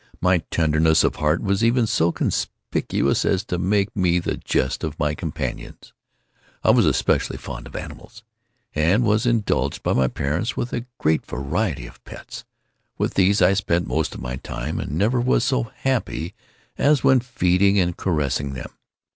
My tenderness of heart was even so conspicuous as to make me the jest of my companions. I was especially fond of animals, and was indulged by my parents with a great variety of pets. With these I spent most of my time, and never was so happy as when feeding and caressing them.